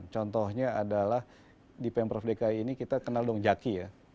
contohnya adalah di pemprov dki ini kita kenal dong jaki ya